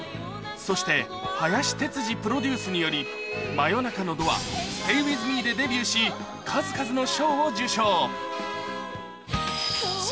そして林哲司プロデュースにより『真夜中のドアｓｔａｙｗｉｔｈｍｅ』でデビューし数々の賞を受賞